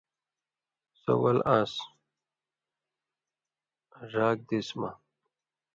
سو ول آن٘س آژاک دیسہۡ مہ